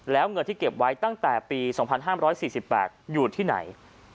แล้วเงินที่เก็บไว้ตั้งแต่ปี๒๕๔๘อยู่ที่ไหน